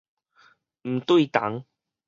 毋對同